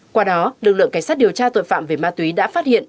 qua đó lực lượng cảnh sát điều tra tội phạm về ma túy đã phát hiện